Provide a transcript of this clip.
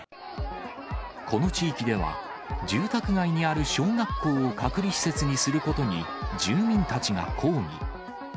この地域では、住宅街にある小学校を隔離施設にすることに、住民たちが抗議。